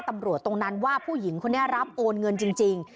ตรงนั้นว่าผู้หญิงคนนี้รับโอนเงินจริง